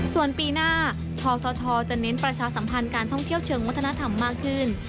ส่วนปีหน้าททจะเน้นประชาสัมพันธ์การท่องเที่ยวเชิงวัฒนธรรมมากขึ้น